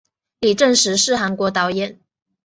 李振石是韩国导演。